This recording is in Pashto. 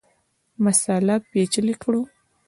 مسأله پېچلې کړو.